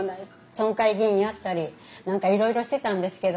村会議員やったり何かいろいろしてたんですけどね